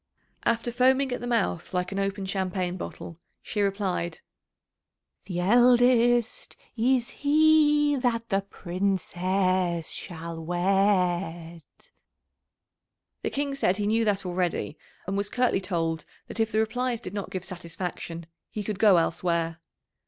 After foaming at the mouth like an open champagne bottle, she replied: "The eldest is he that the Princess shall wed." [Illustration: "'THE ELDEST IS HE THAT THE PRINCESS SHALL WED.'"] The King said he knew that already, and was curtly told that if the replies did not give satisfaction he could go elsewhere.